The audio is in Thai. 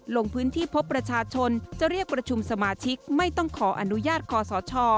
ลงพื้นที่พบประชาชนจะเรียกประชุมสมาชิกไม่ต้องขออนุญาตคอสช